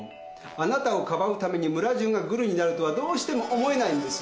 あなたをかばうために村中がぐるになるとはどうしても思えないんです。